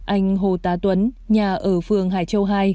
anh hồ tá tuấn nhà ở phường hải châu hai